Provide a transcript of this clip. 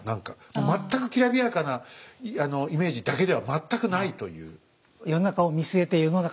もう全くきらびやかなイメージだけでは全くないという。